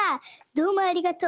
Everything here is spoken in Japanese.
「どうもありがとう。